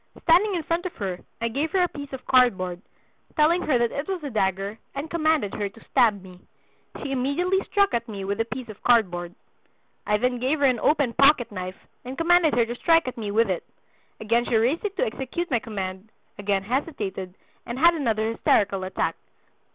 Standing in front of her I gave her a piece of card board, telling her that it was a dagger, and commanded her to stab me. She immediately struck at me with the piece of card board. I then gave her an open pocketknife and commanded her to strike at me with it. Again she raised it to execute my command, again hesitated, and had another hysterical attack.